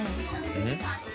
うん？